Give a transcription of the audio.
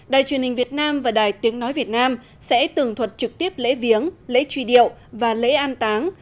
đài truyền hình việt nam và đài tiếng nói việt nam sẽ tường thuật trực tiếp lễ viếng lễ truy điệu và lễ an táng